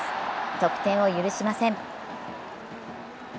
得点を許しません。